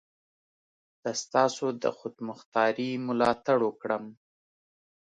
د ستاسو د خودمختاري ملاتړ وکړم.